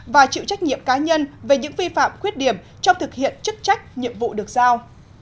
và chịu trách nhiệm cá nhân về những vi phạm khuyết điểm trong thực hiện chức trách nhiệm vụ được giao